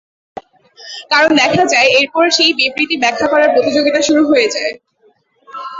কারণ দেখা যায়, এরপর সেই বিবৃতি ব্যাখ্যা করার প্রতিযোগিতা শুরু হয়ে যায়।